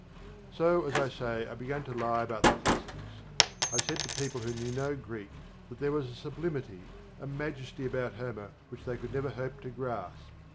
So, as I say, I began to lie about the classics. I said to people who knew no Greek that there was a sublimity, a majesty about Homer which they could never hope to grasp.